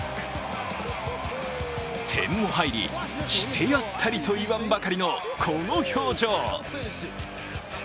点も入り、してやったりと言わんばかりの、この表情。